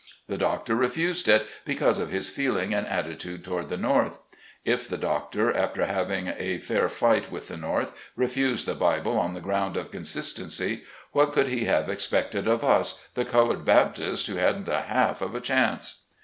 The doctor refused it because of his feeling and attitude toward the North. If the doctor, after having a fair fight with the North, refused the RELIGION AT THE CLOSE OF THE WAR. 97 Bible on the ground of consistency, what could he have expected of us, the colored Baptists who hadn't a half of a chance